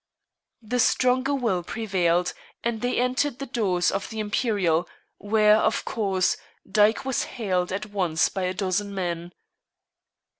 The stronger will prevailed, and they entered the doors of the Imperial, where, of course, Dyke was hailed at once by a dozen men.